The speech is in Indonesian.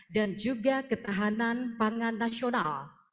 dan juga ketahanan pangan nasional